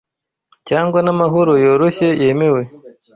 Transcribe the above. Cyangwa n'amahoro yoroshye yemewe